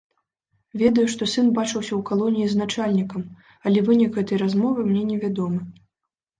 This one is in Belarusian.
Ведаю, што сын бачыўся ў калоніі з начальнікам, але вынік гэтай размовы мне невядомы.